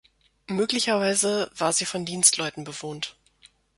Möglicherweise war sie von Dienstleuten bewohnt.